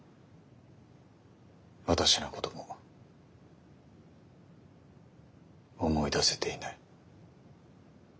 私のことも思い出せていない。